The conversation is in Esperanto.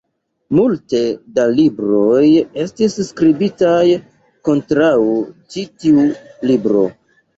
Multe da libroj estis skribitaj kontraŭ ĉi tiu libro.